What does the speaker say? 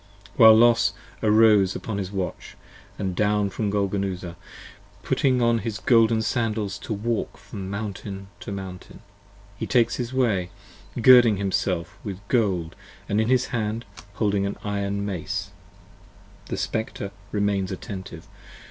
75 While Los arose upon his Watch, and down from Golgonooza, Putting on his golden sandals to walk from mountain to mountain, He takes his way, girding himself with gold & in his hand Holding his iron mace: The Spectre remains attentive.